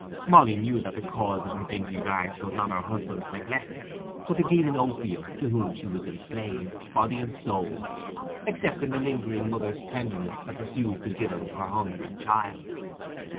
Molly knew that the cause of her dingy rags was not her husband's neglect, but the demon Opium to whom she was enslaved, body and soul, except in the lingering mother's tenderness that refused to give him her hungry child.